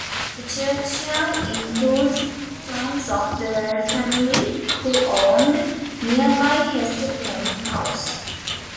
The churchyard includes tombs of the Warre family who owned nearby Hestercombe House.